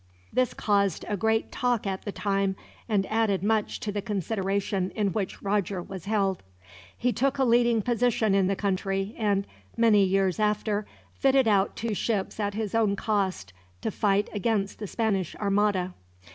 This caused a great talk at the time, and added much to the consideration in which Roger was held. He took a leading position in the country and, many years after, fitted out two ships at his own cost to fight against the Spanish Armada.